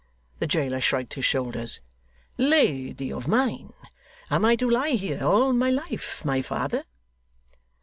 The jailer shrugged his shoulders. 'Lady of mine! Am I to lie here all my life, my father?